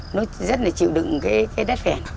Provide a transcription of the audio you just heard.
nó rất là chịu đựng cái đất phẻ